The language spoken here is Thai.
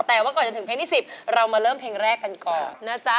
แต่ว่าก่อนจะถึงเพลงที่๑๐เรามาเริ่มเพลงแรกกันก่อนนะจ๊ะ